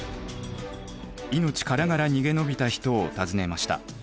命からがら逃げ延びた人を訪ねました。